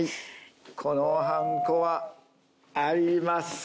このはんこはありますか？